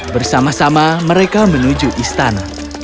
bersama sama mereka menuju istana